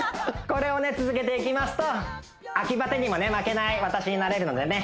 これをね続けていきますと秋バテにもね負けない私になれるのでね